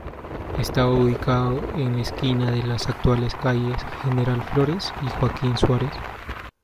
Estaba ubicado en la esquina de las actuales calles General Flores y Joaquín Suárez.